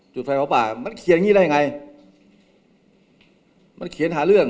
จุดไฟเผาป่ามันเขียนอย่างงี้ได้ยังไงมันเขียนหาเรื่อง